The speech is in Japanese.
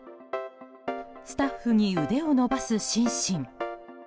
スタッフに腕を伸ばすシンシン。